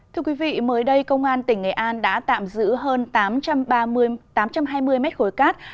thưa quý vị mới đây công an tỉnh nghệ an đã tạm giữ hơn tám trăm tám mươi mét khối cát